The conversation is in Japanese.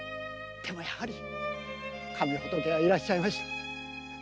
でもやはり神仏はいらっしゃいました。